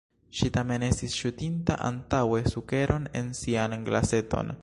Ŝi tamen estis ŝutinta antaŭe sukeron en sian glaseton.